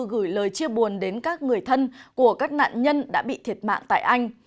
gửi lời chia buồn đến các người thân của các nạn nhân đã bị thiệt mạng tại anh